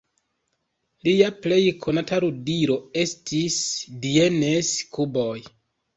Lia plej konata ludilo estis "Dienes-kuboj".